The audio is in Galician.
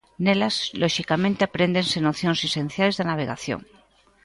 Nelas, loxicamente, apréndense nocións esenciais de navegación.